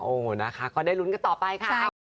โอ้โหนะคะพอได้ลุ้นก็ต่อไปค่ะ